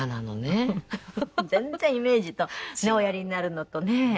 全然イメージとおやりになるのとね。